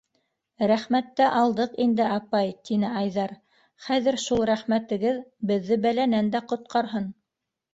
- Рәхмәтте алдыҡ инде, апай, - тине Айҙар, - хәҙер шул рәхмәтегеҙ беҙҙе бәләнән дә ҡотҡарһын.